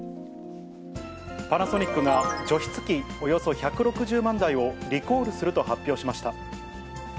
パナソニックが除湿機およそ１６０万台をリコールすると発表しました。